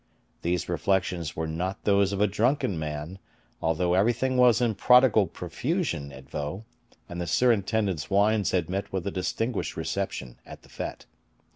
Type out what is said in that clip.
These reflections were not those of a drunken man, although everything was in prodigal profusion at Vaux, and the surintendant's wines had met with a distinguished reception at the fete.